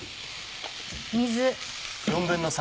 水。